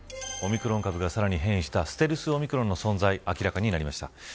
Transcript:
オミクロン株がさらに変異したステルスオミクロンの存在が明らかになりました。